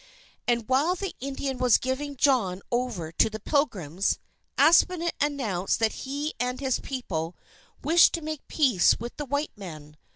And while the Indian was giving John over to the Pilgrims, Aspinet announced that he and his people wished to make peace with the white men.